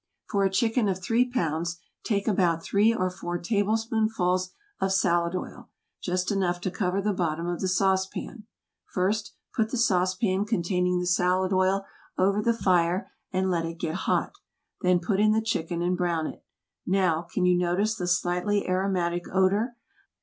For a chicken of three pounds take about three or four tablespoonfuls of salad oil; just enough to cover the bottom of the sauce pan. First put the sauce pan containing the salad oil over the fire and let it get hot; then put in the chicken and brown it. Now, can you notice the slightly aromatic odor?